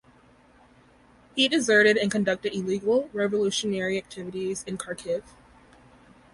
He deserted and conducted illegal revolutionary activities in Kharkiv.